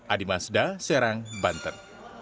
adi masda serang banten